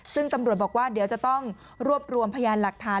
ซึ่งตำรวจบอกว่าเดี๋ยวจะต้องรวบรวมพยานหลักฐาน